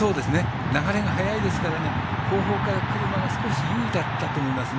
流れが早いですから後方からくる馬が少し有利だったと思います。